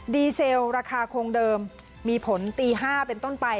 เซลราคาคงเดิมมีผลตี๕เป็นต้นไป